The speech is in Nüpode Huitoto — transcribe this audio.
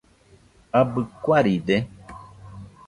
¿Abɨ kuaride.?